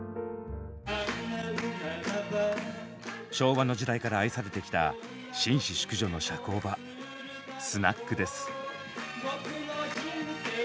昭和の時代から愛されてきた紳士淑女の社交場スナックです。